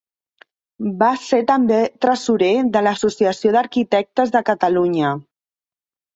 Va ser també tresorer de l'Associació d'Arquitectes de Catalunya.